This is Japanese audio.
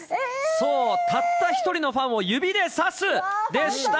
そう、たった１人のファンを指でさすでした。